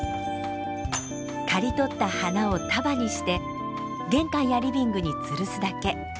刈り取った花を束にして玄関やリビングに吊るすだけ。